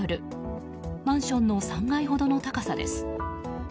マンションの３階ほどの高さです。